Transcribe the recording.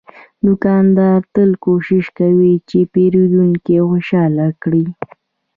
دوکاندار تل کوشش کوي چې پیرودونکی خوشاله کړي.